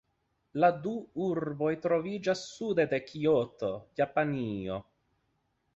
La du urboj troviĝas sude de Kioto, Japanio.